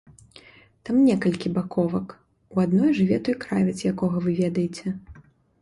Там некалькі баковак, у адной жыве той кравец, якога вы ведаеце.